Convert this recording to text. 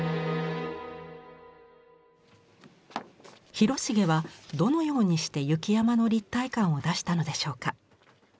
広重はどのようにして雪山の立体感を出したのでしょうか。